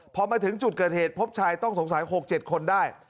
พอมาถึงจุดเกิดเหตุพบชายต้องสงสัย๖๗คนได้